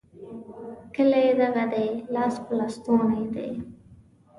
کلی دغه دی؛ لاس په لستوڼي دی.